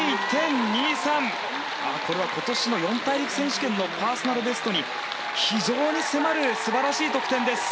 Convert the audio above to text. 今年の四大陸選手権のパーソナルベストに非常に迫る素晴らしい得点です。